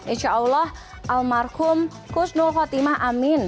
insya allah almarhum kusnul khotimah amin